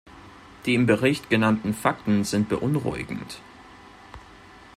Die im Bericht genannten Fakten sind beunruhigend.